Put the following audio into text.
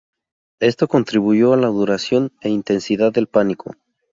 Esto contribuyó a la duración e intensidad del pánico.